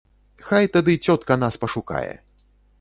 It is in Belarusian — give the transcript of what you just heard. Хай тады цётка нас пашукае.